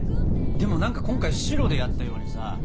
でも何か今回白でやったようにさ